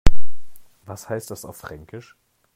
Was heißt das auf Fränkisch?